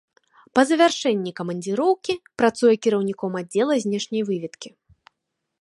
Па завяршэнні камандзіроўкі працуе кіраўніком аддзела знешняй выведкі.